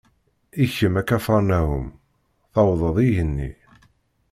I kem, a Kafar Naḥum, tewwḍeḍ igenni?